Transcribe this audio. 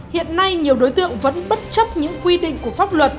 hiện nay nhiều đối tượng vẫn bất chấp những quy định của pháp luật